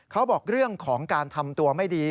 เขาบอกเรื่องของการทำตัวไม่ดี